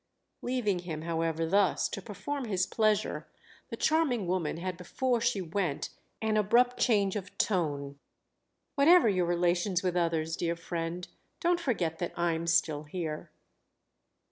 Leaving him however thus to perform his pleasure the charming woman had before she went an abrupt change of tone. "Whatever your relations with others, dear friend, don't forget that I'm still here."